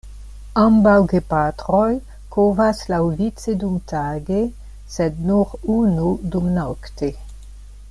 Ambaŭ gepatroj kovas laŭvice dumtage sed nur unu dumnokte.